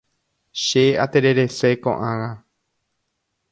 Che atererese ko'ág̃a.